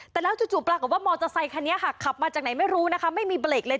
แต่แล้วจู่ปรากฏว่ามอเตอร์ไซคันนี้ค่ะขับมาจากไหนไม่รู้นะคะไม่มีเบรกเลย